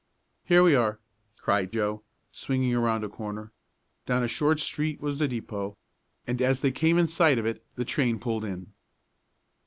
"Here we are!" cried Joe, swinging around a corner. Down a short street was the depot, and as they came in sight of it the train pulled in.